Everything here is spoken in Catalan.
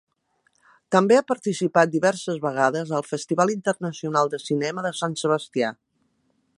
També ha participat diverses vegades al Festival Internacional de Cinema de Sant Sebastià.